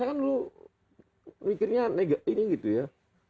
kan lu mikirnya negatifnya gitu ya